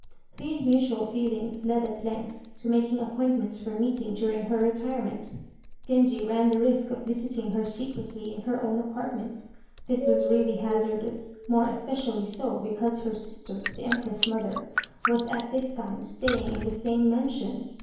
These mutual feelings led at length to making appointments for meeting during her retirement. Genji ran the risk of visiting her secretly in her own apartments. This was really hazardous, more especially so because her sister, the Empress mother, was at this time staying in the same mansion.